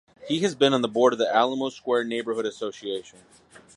He has been on the board of the Alamo Square Neighborhood Association.